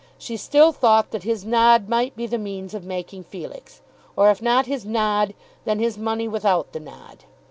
She still thought that his nod might be the means of making Felix, or if not his nod, then his money without the nod.